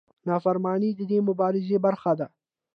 نافرماني د دې مبارزې برخه ده.